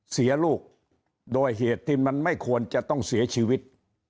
เสียลูกโดยเหตุที่มันไม่ควรจะต้องเสียชีวิต